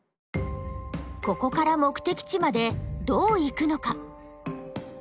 ここから目的地までどう行くのか。